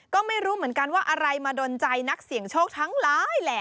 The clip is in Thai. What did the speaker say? ก็ไม่รู้เหมือนกันว่าอะไรมาดนใจนักเสี่ยงโชคทั้งหลายแหละ